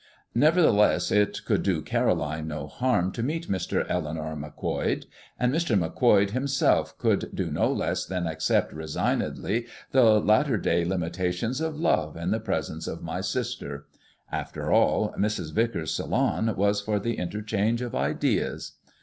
Nevertheless, it could do Caroline no harm to meet Mr. Eleanor Macquoid; and Mr. Macquoid himself could do no less than accept resignedly the latter day limitations of love in the presence of my sister. After all, Mrs. Vicars's salon was for the interchange of ideas.